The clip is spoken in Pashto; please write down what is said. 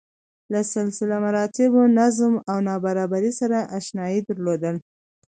له سلسله مراتبو، نظم او نابرابرۍ سره اشنايي درلوده.